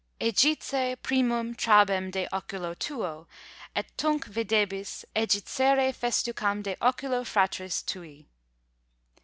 Ejice primùm trabem de OCULO tuo, et tunc videbis ejicere festucam de OCULO fratris tui.